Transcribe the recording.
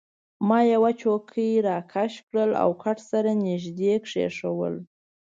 ما یوه چوکۍ راکش کړل او کټ سره يې نژدې کښېښوول.